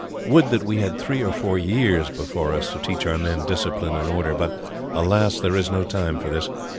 "Would that we had three or four years before us to teach our men discipline and order, but alas! there is no time for this.